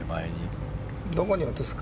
どこに落とすか。